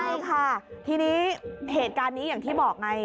ใช่ค่ะทีนี้เหตุการณ์นี้อย่างที่บอกไง